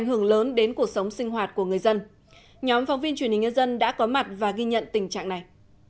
ứng lớn đến cuộc sống sinh hoạt của người dân nhóm phòng viên truyền hình nhân dân đã có mặt và ghi nhận tình trạng này